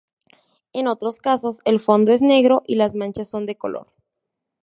En otros casos el fondo es negro y las manchas son de color.